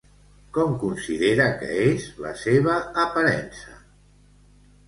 Com considera que és la seva aparença?